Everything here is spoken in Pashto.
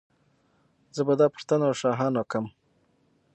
زه به دا پوښتنه له شاهانو کوم.